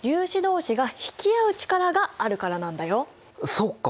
そっか！